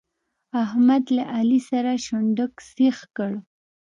احمد له علي سره شونډک سيخ کړ.